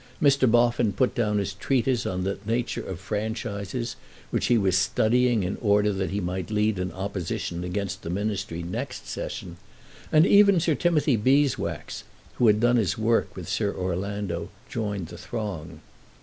Mr. Boffin put down his treatise on the nature of Franchises, which he was studying in order that he might lead an opposition against the Ministry next Session, and even Sir Timothy Beeswax, who had done his work with Sir Orlando, joined the throng.